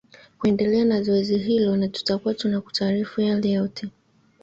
kwendelea na zoezi hilo na tutakuwa tunakutaarifu yale yote